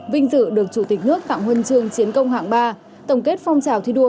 vinh dự được chủ tịch nước tặng huân chương chiến công hạng ba tổng kết phong trào thi đua